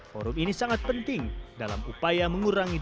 forum ini sangat penting dalam upaya mengurangi